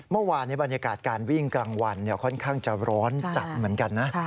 เมื่อวานบรรยากาศการวิ่งกลางวันค่อนข้างจะร้อนจัดเหมือนกันนะ